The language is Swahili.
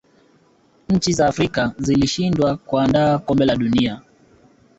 nchi za Afrika zilishindwa kuandaa kombe la dunia